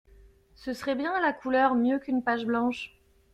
Ce serait bien, la couleur, mieux qu’une page blanche.